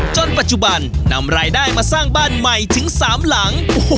จนปัจจุบันนำรายได้มาสร้างบ้านใหม่ถึง๓หลัง